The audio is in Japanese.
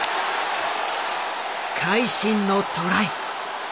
会心のトライ。